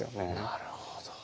なるほど。